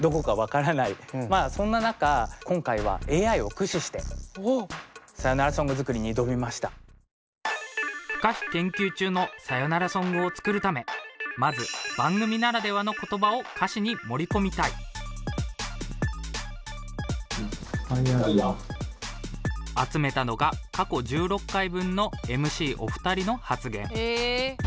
私自身はもう全然そんな中「不可避研究中」のさよならソングを作るためまず番組ならではの言葉を歌詞に盛り込みたい集めたのが過去１６回分のＭＣお二人の発言